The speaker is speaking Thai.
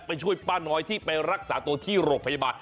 ช่วยป้าน้อยที่ไปรักษาตัวที่โรงพยาบาล